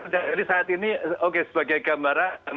jadi saat ini oke sebagai gambaran